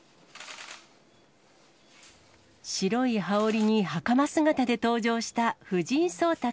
白い羽織にはかま姿で登場した藤井聡太